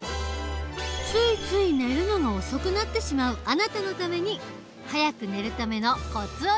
ついつい寝るのが遅くなってしまうあなたのために早く寝るためのコツを伝授。